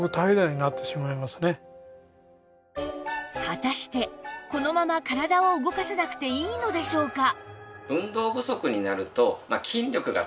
果たしてこのまま体を動かさなくていいのでしょうか？